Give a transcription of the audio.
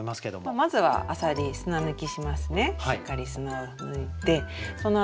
まずはあさり砂抜きしますね。